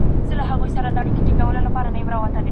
مثبت تاثیرات مو په ژوند اغېز کوي.